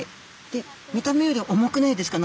で見た目より重くないですか？